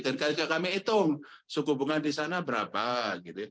nah nanti kadang kadang kami hitung sukup hubungan di sana berapa sih